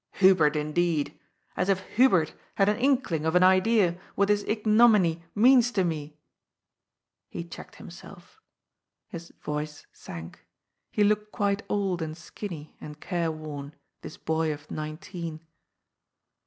Hubert, indeed ! As if Hubert had an inkling of an idea what this ignominy means to me.'' He checked him self. His voice sank. He looked quite old and skinny and careworn, this boy of nineteen.